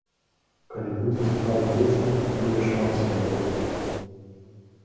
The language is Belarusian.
Калі будзе цікава дзецям, будзе шмат сем'яў.